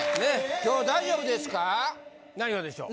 今日大丈夫ですか？